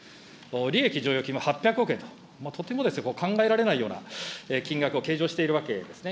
利益剰余金も８００億円と、とても考えられないような金額を計上しているわけですね。